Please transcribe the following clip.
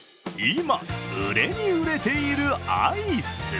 今、売れに売れているアイス。